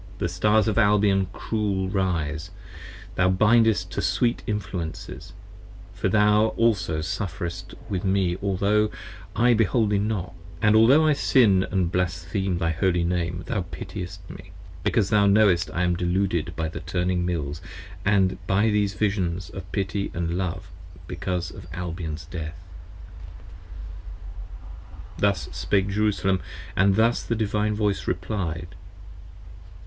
60 The Stars of Albion cruel rise: thou bindest to sweet influences: For thou also sufferest with me altho' I behold thee not: And altho' I sin & blaspheme thy holy name, thou pitiest me: Because thou knowest I am deluded by the turning mills, And by these visions of pity & love because of Albion's death. 65 Thus spake Jerusalem, & thus the Divine Voice replied.